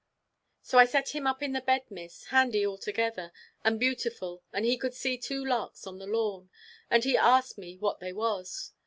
So I set him up in the bed, Miss, handy altogether, and beautiful, and he could see two larks on the lawn, and he asked me what they was.